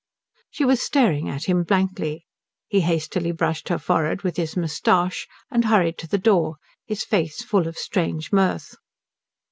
She was staring at him blankly. He hastily brushed her forehead with his moustache and hurried to the door, his face full of strange mirth.